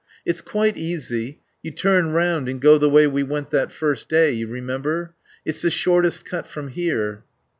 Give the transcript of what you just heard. "It's quite easy. You turn round and go the way we went that first day you remember? It's the shortest cut from here."